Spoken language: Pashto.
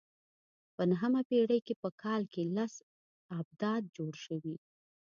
په نهمه پېړۍ کې په کال کې لس ابدات جوړ شوي.